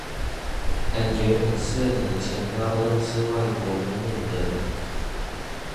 感覺很適合想要認識外國朋友的人